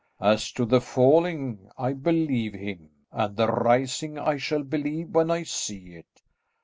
"As to the falling, I believe him, and the rising I shall believe when I see it.